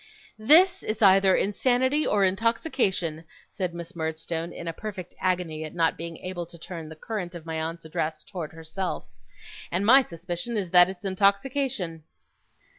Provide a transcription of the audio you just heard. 'This is either insanity or intoxication,' said Miss Murdstone, in a perfect agony at not being able to turn the current of my aunt's address towards herself; 'and my suspicion is that it's intoxication.